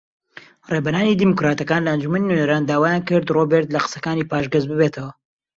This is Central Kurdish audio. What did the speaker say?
ڕێبەرانی دیموکراتەکان لە ئەنجومەنی نوێنەران داوایان کرد ڕۆبێرت لە قسەکانی پاشگەز ببێتەوە